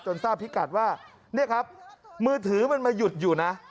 ทราบพิกัดว่านี่ครับมือถือมันมาหยุดอยู่นะ